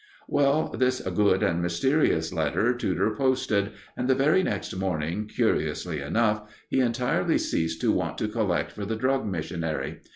Well, this good and mysterious letter Tudor posted, and the very next morning, curiously enough, he entirely ceased to want to collect for the Drug Missionary.